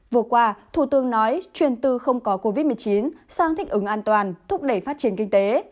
vừa qua thủ tướng nói truyền từ không có covid một mươi chín sang thích ứng an toàn thúc đẩy phát triển kinh tế